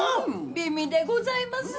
美味でございます。